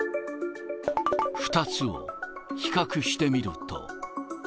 ２つを比較してみると。